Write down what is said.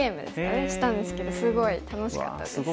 したんですけどすごい楽しかったです。